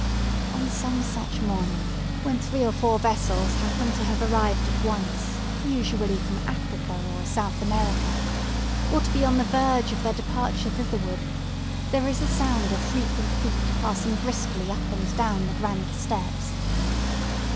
On some such morning, when three or four vessels happen to have arrived at once usually from Africa or South America—or to be on the verge of their departure thitherward, there is a sound of frequent feet passing briskly up and down the granite steps.